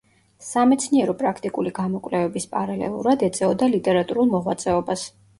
სამეცნიერო-პრაქტიკული გამოკვლევების პარალელურად ეწეოდა ლიტერატურულ მოღვაწეობას.